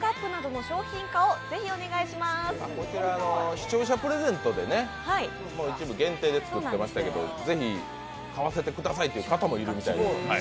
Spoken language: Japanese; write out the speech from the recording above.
視聴者プレゼントで一部限定で作っていましたけど、ぜひ、買わせてくださいという方もいるみたいです。